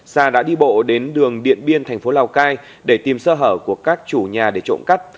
sà đã đi bộ đến đường điện biên tp lào cai để tìm sơ hở của các chủ nhà để trộm cắt